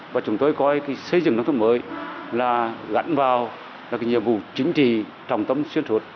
và chúng tôi coi xây dựng nông thôn mới là gắn vào nhiều vụ chính trị trong tâm xuyên thuật